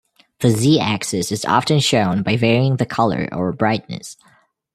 The z axis is often shown by varying the colour or brightness.